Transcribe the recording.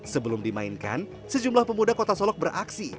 sebelum dimainkan sejumlah pemuda kota solok beraksi